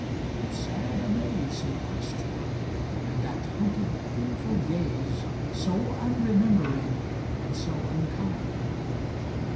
In sad amaze He watched her, and that hunted, fearful gaze, So unremembering and so unkind.